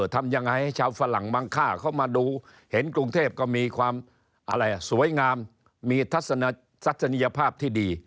ทำยังไงให้ชาวฝรั่งบางค่าเข้ามาดูเห็นกรุงเทพก็มีความอะไรสวยงามมีทัศนียภาพที่ดี